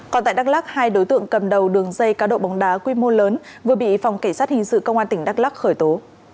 còn tại đắk lắc hai đối tượng cầm đầu đường dây cá độ bóng đá quy mô lớn vừa bị phòng cảnh sát hình sự công an tỉnh đắk lắc khởi tố